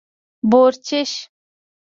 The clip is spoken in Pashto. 🐊 بورچېش